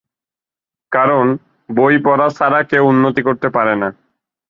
কারণ, বই পড়া ছাড়া কেউ উন্নতি করতে পারে না।